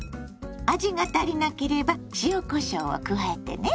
味が足りなければ塩こしょうを加えてね。